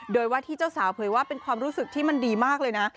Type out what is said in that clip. โดยว่าที่เจ้าสาวเผยว่าเป็นความรู้สึกที่มันดีมากเลยนะ